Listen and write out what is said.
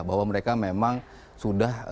bahwa mereka memang sudah